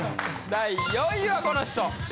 第４位はこの人！